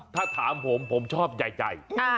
ถ้าถามผมผมชอบใจ